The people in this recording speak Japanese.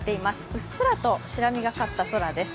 うっすらと白みがかった空です。